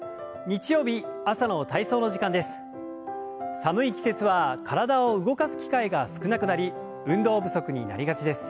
寒い季節は体を動かす機会が少なくなり運動不足になりがちです。